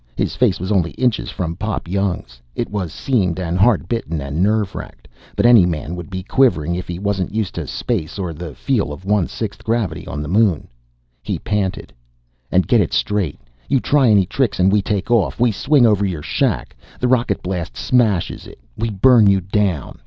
His face was only inches from Pop Young's. It was seamed and hard bitten and nerve racked. But any man would be quivering if he wasn't used to space or the feel of one sixth gravity on the Moon. He panted: "And get it straight! You try any tricks and we take off! We swing over your shack! The rocket blast smashes it! We burn you down!